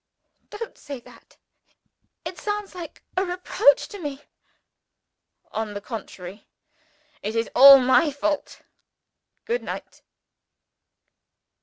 "Don't say that! It sounds like a reproach to me." "On the contrary, it is all my fault. Good night!"